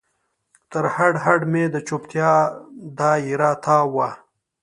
تر هډ، هډ مې د چوپتیا دا یره تاو وه